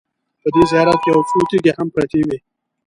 په دې زیارت کې یو څو تیږې هم پرتې وې.